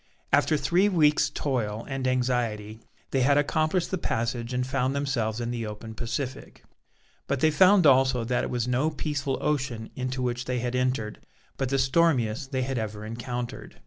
After three weeks' toil and anxiety, they had accomplished the passage and found themselves in the open Pacific. But they found also that it was no peaceful ocean into which they had entered, but the stormiest they had ever encountered.